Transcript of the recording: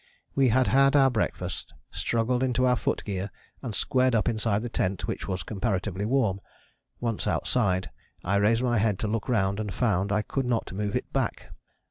We had had our breakfast, struggled into our foot gear, and squared up inside the tent, which was comparatively warm. Once outside, I raised my head to look round and found I could not move it back.